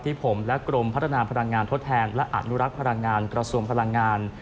ผมและกรมพัฒนาพลังงานทดแทนและอนุรักษ์พลังงานกระทรวงพลังงาน